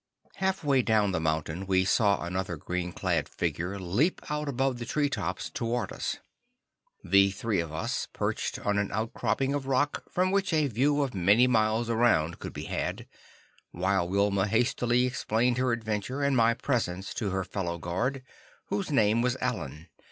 Half way down the mountain, we saw another green clad figure leap out above the tree tops toward us. The three of us perched on an outcropping of rock from which a view for many miles around could be had, while Wilma hastily explained her adventure and my presence to her fellow guard; whose name was Alan.